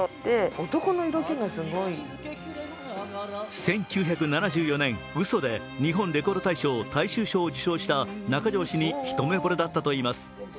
１９７４年、「うそ」で日本レコード大賞大衆賞を受賞した中条氏に一目ぼれだったといいます。